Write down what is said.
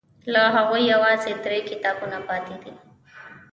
له هغوی یوازې درې کتابونه پاتې دي.